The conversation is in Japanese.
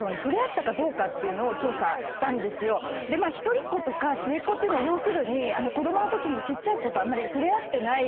一人っ子とか末っ子っていうのは要するに子供のときにちっちゃい子とあんまり触れ合ってない。